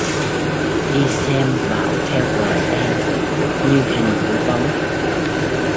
Đi xem bảo theo vợ em như hình với bóng